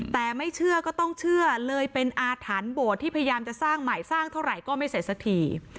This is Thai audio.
แต่ไม่เชื่อก็ต้องเชื่อเลยเป็นอาถรรพ์โบสถ์ที่พยายามจะสร้างใหม่สร้างเท่าไหร่ก็ไม่เสร็จสักที